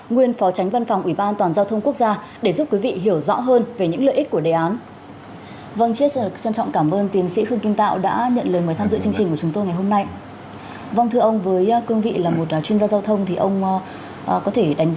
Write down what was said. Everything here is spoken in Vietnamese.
nguyên phó tránh văn phòng ủy ban an toàn giao thông quốc gia để giúp quý vị hiểu rõ hơn về những lợi ích của đề án